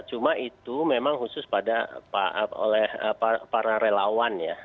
cuma itu memang khusus pada para relawan ya